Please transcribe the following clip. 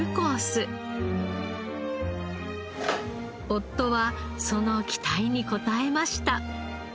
夫はその期待に応えました。